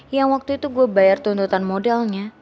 yang waktu itu gue bayar tuntutan modalnya